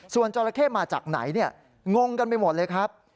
ส่วนจราเข้มาจากไหนงงกันไปหมดเลยครับ